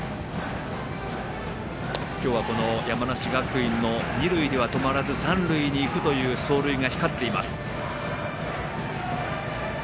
今日は山梨学院の二塁では止まらず三塁に行くという走塁が光っています。